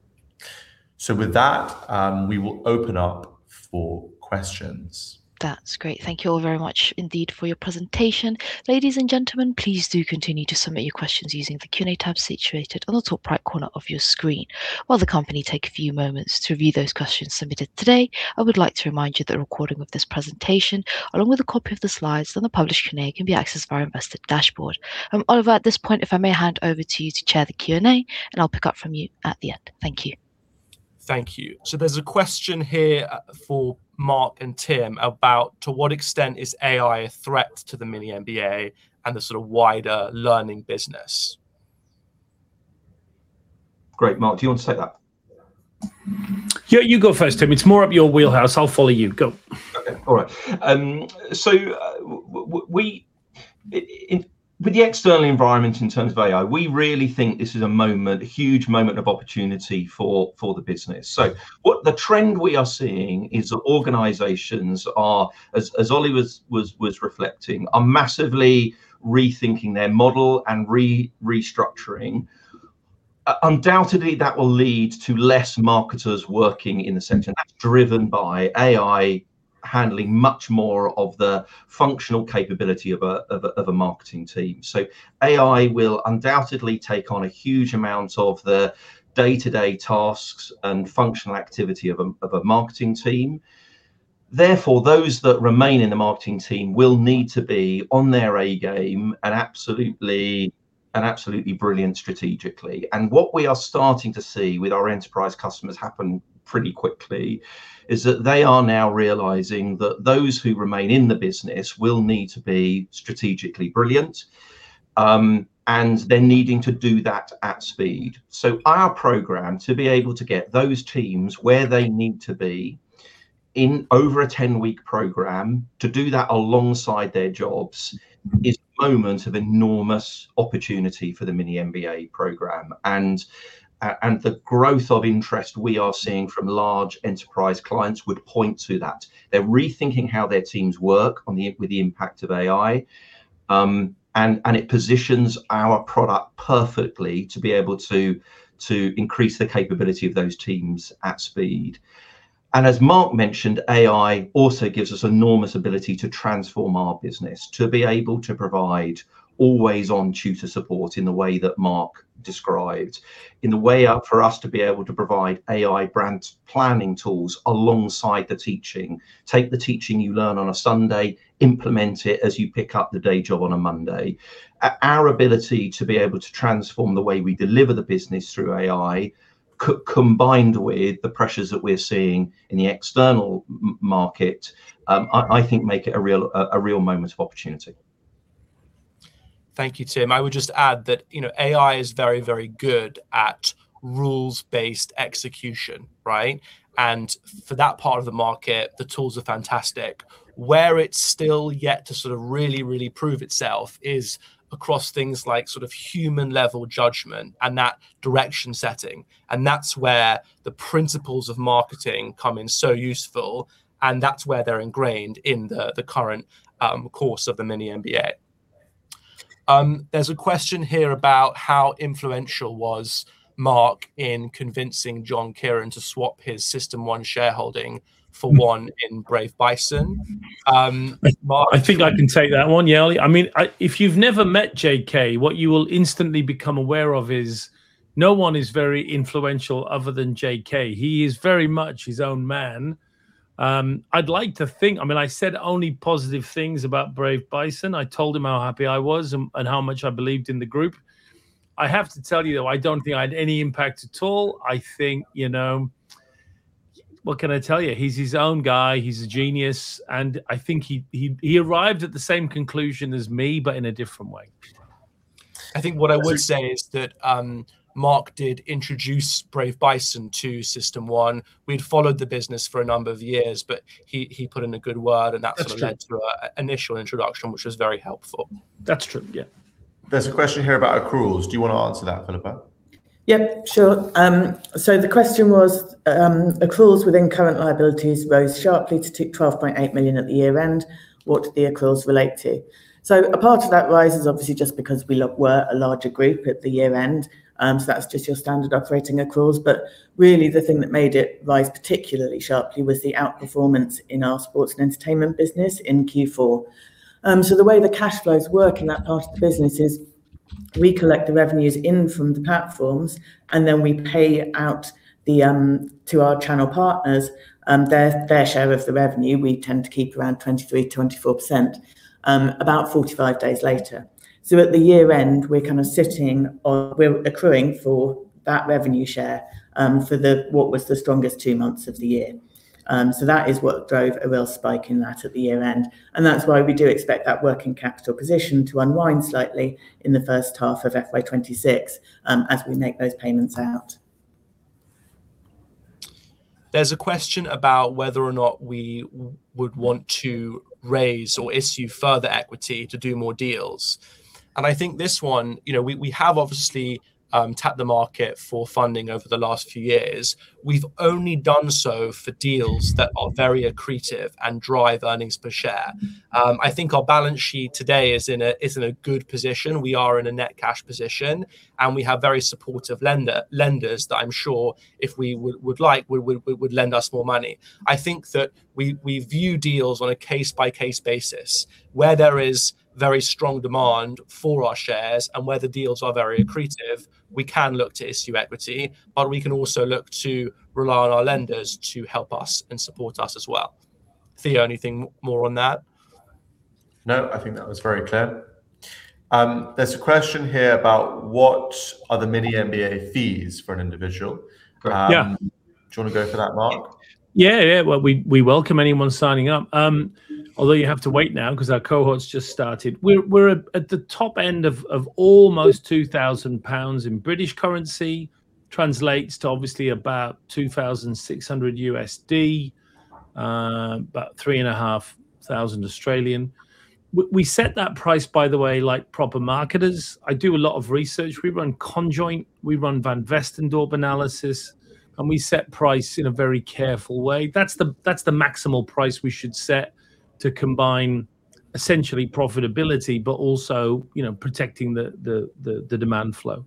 With that, we will open up for questions. That's great. Thank you all very much indeed for your presentation. Ladies and gentlemen, please do continue to submit your questions using the Q&A tab situated on the top right corner of your screen. While the company take a few moments to review those questions submitted today, I would like to remind you that a recording of this presentation, along with a copy of the slides and the published Q&A, can be accessed via our investor dashboard. Oliver, at this point, if I may hand over to you to chair the Q&A, and I'll pick up from you at the end. Thank you. Thank you. There's a question here for Mark and Tim about to what extent is AI a threat to the MiniMBA and the sort of wider learning business? Great. Mark, do you want to take that? Yeah, you go first, Tim. It is more up your wheelhouse. I will follow you. Go. Okay. All right. With the external environment in terms of AI, we really think this is a moment, a huge moment of opportunity for the business. What the trend we are seeing is that organizations are, as Oli was reflecting, are massively rethinking their model and restructuring. Undoubtedly, that will lead to less marketers working in the center. That's driven by AI handling much more of the functional capability of a marketing team. AI will undoubtedly take on a huge amount of the day-to-day tasks and functional activity of a marketing team. Therefore, those that remain in the marketing team will need to be on their A-game and absolutely brilliant strategically. What we are starting to see with our enterprise customers happen pretty quickly is that they are now realizing that those who remain in the business will need to be strategically brilliant, and they're needing to do that at speed. Our program to be able to get those teams where they need to be in over a 10-week program, to do that alongside their jobs, is a moment of enormous opportunity for the MiniMBA program. The growth of interest we are seeing from large enterprise clients would point to that. They are rethinking how their teams work with the impact of AI, and it positions our product perfectly to be able to increase the capability of those teams at speed. As Mark mentioned, AI also gives us enormous ability to transform our business, to be able to provide always-on tutor support in the way that Mark described, in the way out for us to be able to provide AI brand planning tools alongside the teaching. Take the teaching you learn on a Sunday, implement it as you pick up the day job on a Monday. Our ability to be able to transform the way we deliver the business through AI combined with the pressures that we're seeing in the external market, I think make it a real moment of opportunity. Thank you, Tim. I would just add that, you know, AI is very, very good at rules-based execution, right? For that part of the market, the tools are fantastic. Where it's still yet to sort of really, really prove itself is across things like sort of human-level judgment and that direction setting, and that's where the principles of marketing come in so useful, and that's where they're ingrained in the current course of the MiniMBA. There's a question here about how influential was Mark in convincing John Kearon to swap his System1 shareholding for one in Brave Bison. I think I can take that one, yeah. If you've never met J.K., what you will instantly become aware of is no one is very influential other than J.K. He is very much his own man. I'd like to think I said only positive things about Brave Bison. I told him how happy I was and how much I believed in the group. I have to tell you, though, I don't think I had any impact at all. I think, you know, what can I tell you? He's his own guy. He's a genius, and I think he arrived at the same conclusion as me but in a different way. I think what I would say is that, Mark did introduce Brave Bison to System1. We'd followed the business for a number of years, but he put in a good word- That's true. ...led to our initial introduction, which was very helpful. That's true. Yeah. There's a question here about accruals. Do you wanna answer that, Philippa? Sure. The question was, "Accruals within current liabilities rose sharply to 12.8 million at the year-end. What did the accruals relate to?" A part of that rise is obviously just because we were a larger group at the year end. That's just your standard operating accruals. Really the thing that made it rise particularly sharply was the outperformance in our Sport & Entertainment business in Q4. The way the cash flows work in that part of the business is we collect the revenues in from the platforms, and then we pay out the to our channel partners, their share of the revenue, we tend to keep around 23%, 24%, about 45 days later. At the year end, we're accruing for that revenue share, for the, what was the strongest two months of the year. That is what drove a real spike in that at the year end, and that's why we do expect that working capital position to unwind slightly in the first half of FY 2026, as we make those payments out. There's a question about whether or not we would want to raise or issue further equity to do more deals. I think this one, you know, we have obviously tapped the market for funding over the last few years. We've only done so for deals that are very accretive and drive earnings per share. I think our balance sheet today is in a good position. We are in a net cash position, we have very supportive lenders that I'm sure if we would like would lend us more money. I think that we view deals on a case-by-case basis. Where there is very strong demand for our shares and where the deals are very accretive, we can look to issue equity, or we can also look to rely on our lenders to help us and support us as well. Theo, anything more on that? No, I think that was very clear. There's a question here about what are the MiniMBA fees for an individual. Yeah. Do you wanna go for that, Mark? Yeah. Yeah, well, we welcome anyone signing up. Although you have to wait now 'cause our cohort's just started. We're at the top end of almost 2,000 pounds in British currency, translates to obviously about $2,600, about 3,500. We set that price, by the way, like proper marketers. I do a lot of research. We run conjoint, we run Van Westendorp analysis, we set price in a very careful way. That's the maximal price we should set to combine essentially profitability but also, you know, protecting the demand flow.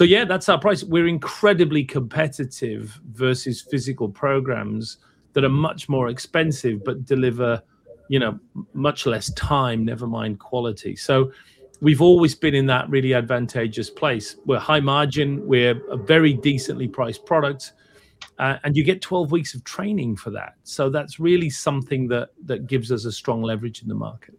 Yeah, that's our price. We're incredibly competitive versus physical programs that are much more expensive but deliver, you know, much less time, never mind quality. We've always been in that really advantageous place. We're high margin. We're a very decently priced product. You get 12 weeks of training for that, so that's really something that gives us a strong leverage in the market.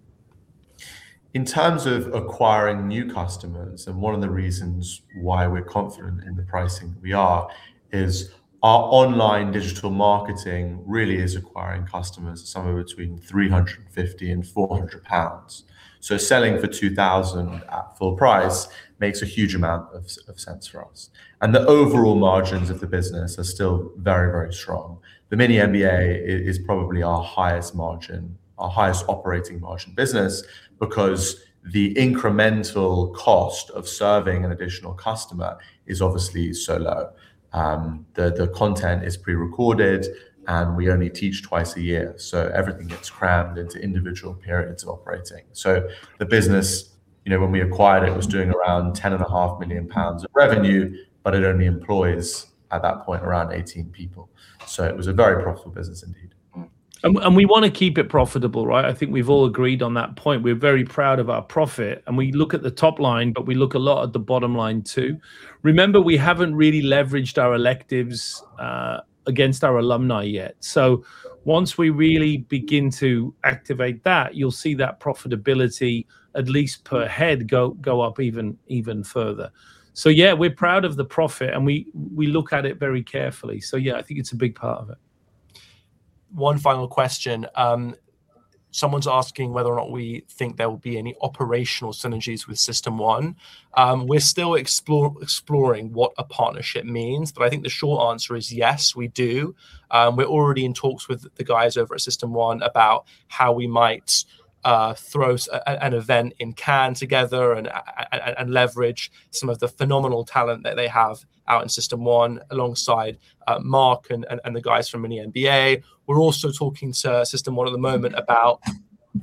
In terms of acquiring new customers, one of the reasons why we're confident in the pricing that we are, is our online digital marketing really is acquiring customers at somewhere between 350 and 400 pounds. Selling for 2,000 at full price makes a huge amount of sense for us. The overall margins of the business are still very strong. The MiniMBA is probably our highest margin, our highest operating margin business because the incremental cost of serving an additional customer is obviously so low. The content is pre-recorded, and we only teach twice a year. Everything gets crammed into individual periods of operating. The business, you know, when we acquired it, was doing around 10.5 million pounds of revenue, but it only employs, at that point, around 18 people. It was a very profitable business indeed. We wanna keep it profitable, right? I think we've all agreed on that point. We're very proud of our profit, and we look at the top line, but we look a lot at the bottom line, too. Remember, we haven't really leveraged our electives against our alumni yet. Once we really begin to activate that, you'll see that profitability, at least per head, go up even further. Yeah, we're proud of the profit, and we look at it very carefully. Yeah, I think it's a big part of it. One final question. Someone's asking whether or not we think there will be any operational synergies with System1. We're still exploring what a partnership means, but I think the short answer is yes, we do. We're already in talks with the guys over at System1 about how we might throw an event in Cannes together and leverage some of the phenomenal talent that they have out in System1 alongside Mark and the guys from MiniMBA. We're also talking to System1 at the moment about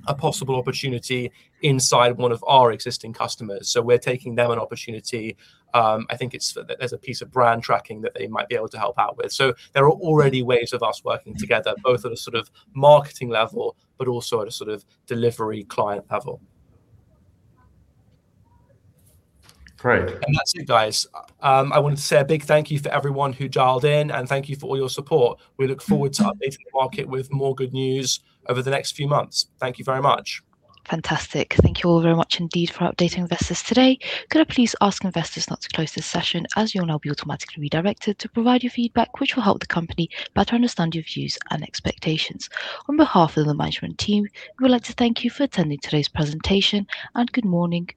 a possible opportunity inside one of our existing customers. We're taking them an opportunity. I think it's for, there's a piece of brand tracking that they might be able to help out with. There are already ways of us working together, both at a sort of marketing level but also at a sort of delivery client level. Great. That's it, guys. I want to say a big thank you for everyone who dialed in, and thank you for all your support. We look forward to updating the market with more good news over the next few months. Thank you very much. Fantastic. Thank you all very much indeed for updating investors today. Could please ask investors not to pause the session as you'll be automatically directed to provide the feedback which will help the company better understand your views and expectation. On behalf of the management team, we would like to thank you for attending today's presentation, and good morning.